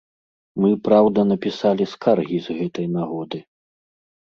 Мы, праўда, напісалі скаргі з гэтай нагоды.